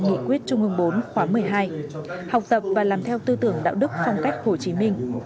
nghị quyết trung ương bốn khóa một mươi hai học tập và làm theo tư tưởng đạo đức phong cách hồ chí minh